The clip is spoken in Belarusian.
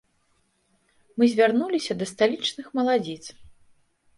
Мы звярнуліся да сталічных маладзіц.